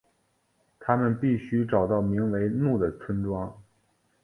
他们必须找到名为怒的村庄。